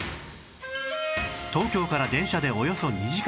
東京から電車でおよそ２時間